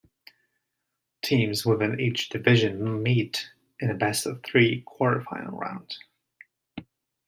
Teams within each division meet in a best-of-three quarterfinal round.